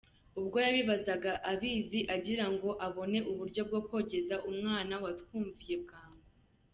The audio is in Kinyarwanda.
Ubwo yabibazaga abizi, Agira ngo abone uburyo Bwo kogeza umwana Watwumviye bwangu.